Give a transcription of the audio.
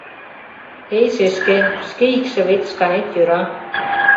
Эй, шешке, шке икшывет шканет йӧра.